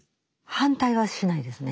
反対はしないですね。